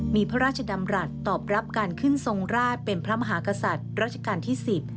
มีพระราชดำรัฐตอบรับการขึ้นทรงราชเป็นพระมหากษัตริย์รัชกาลที่๑๐